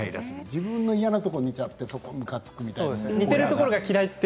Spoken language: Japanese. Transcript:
自分の嫌なところを見てしまってむかつくみたいな。